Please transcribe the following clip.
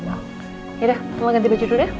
yaudah aku mau ganti baju dulu ya